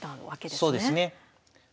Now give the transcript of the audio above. そうですね。